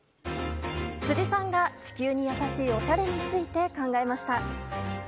辻さんが、地球に優しいおしゃれについて考えました。